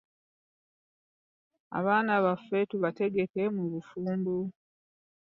Abaana baffe tubategeke mu bufumbo.